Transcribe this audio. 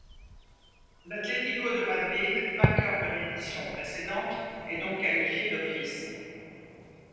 L'Atlético de Madrid, vainqueur de l'édition précédente, est donc qualifié d'office.